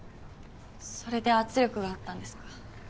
それで圧力があったんですか。